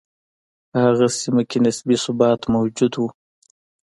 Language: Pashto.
په هغه سیمه کې نسبي ثبات موجود و.